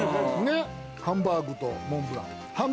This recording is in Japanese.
ハンバーグとモンブラン。